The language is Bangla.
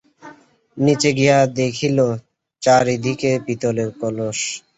নীচে গিয়া দেখিল চারি দিকে পিতলের কলস।